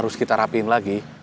tasik tasik tasik